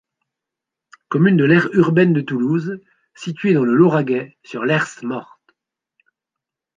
Commune de l'aire urbaine de Toulouse située dans le Lauragais sur l'Hers-Mort.